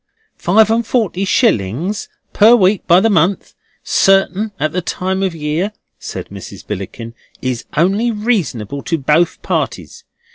"Five and forty shillings per week by the month certain at the time of year," said Mrs. Billickin, "is only reasonable to both parties.